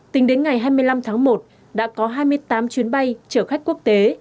tính đến ngày hai mươi năm tháng một đã có hai mươi tám chuyến bay chở khách quốc tế